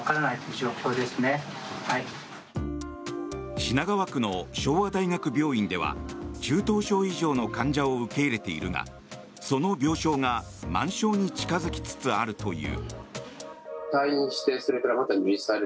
品川区の昭和大学病院では中等症以上の患者を受け入れているがその病床が満床に近付きつつあるという。